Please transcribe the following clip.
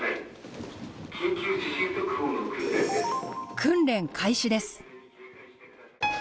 訓練開始です。